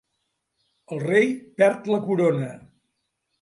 El rei perd la corona.